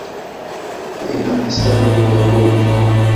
فَإِنَّ حِسَابَهُ يَطُولُ